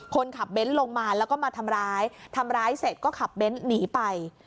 คนขับเบ้นลงมาแล้วก็มาทำร้ายทำร้ายเสร็จก็ขับเบ้นหนีไป